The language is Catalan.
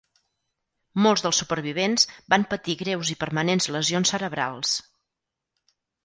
Molts dels supervivents van patir greus i permanents lesions cerebrals.